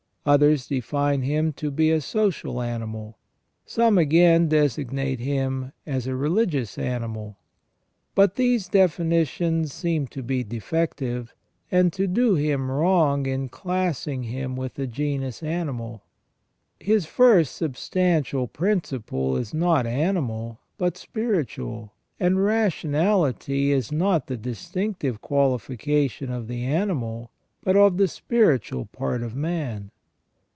Others define him to be a social animal. Some, again, designate him as a religious animal. But these definitions seem to be defective, and to do him wrong in classing him with the genus animal. His first substantial principle is not animal but spiritual, and ration ality is not the distinctive qualification of the animal but of the spiritual part of man.